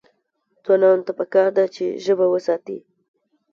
ځوانانو ته پکار ده چې، ژبه وساتي.